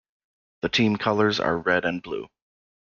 The team colours are red and blue.